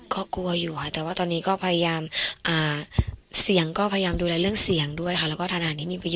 ก็กลัวอยู่ฮะแต่ว่าตอนนี้ก็พยายามเสียงก็พยายามดูแลเรื่องเสียงด้วยค่ะ